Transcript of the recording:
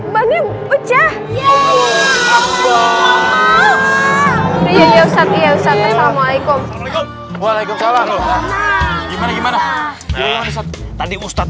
banget ya ustadz ya ustadz assalamualaikum waalaikumsalam gimana gimana tadi ustadz